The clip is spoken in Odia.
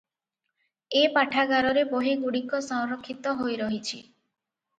ଏ ପାଠାଗାରରେ ବହିଗୁଡ଼ିକ ସଂରକ୍ଷିତ ହୋଇରହିଛି ।